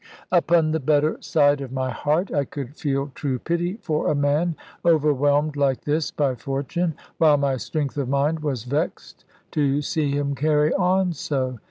Upon the better side of my heart, I could feel true pity for a man overwhelmed like this by fortune; while my strength of mind was vexed to see him carry on so.